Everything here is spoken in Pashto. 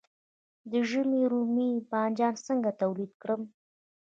د ژمي رومي بانجان څنګه تولید کړم؟